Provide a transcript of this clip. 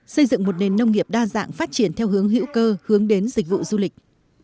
xây dựng một nền nông nghiệp đa dạng phát triển theo hướng hữu cơ hướng đến dịch vụ du lịch